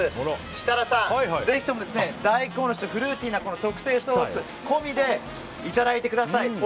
設楽さん、ぜひとも大根おろしとフルーティーな特製ソース込みでいただいてください。